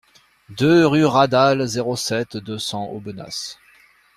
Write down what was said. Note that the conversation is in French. deux rue Radal, zéro sept, deux cents Aubenas